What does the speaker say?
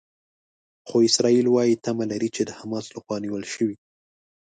خو اسرائیل وايي تمه لري چې د حماس لخوا نیول شوي.